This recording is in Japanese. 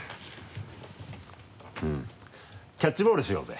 キャッチボールしようぜ。